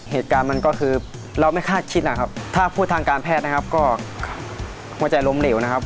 เหตุการณ์มันก็คือเราไม่คาดคิดนะครับถ้าพูดทางการแพทย์นะครับก็หัวใจล้มเหลวนะครับ